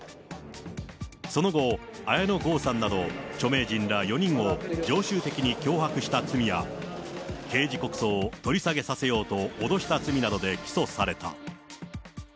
その後、綾野剛さんなど著名人ら４人を常習的に脅迫した罪や、刑事告訴を取り下げさせようと脅した罪などで起訴された。